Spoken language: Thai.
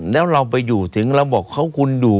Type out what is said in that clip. แล้วเราไปอยู่ถึงเราบอกเขาคุณอยู่